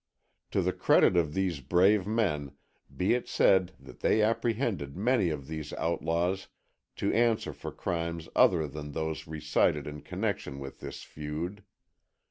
To the credit of these brave men be it said that they apprehended many of these outlaws to answer for crimes other than those recited in connection with this feud.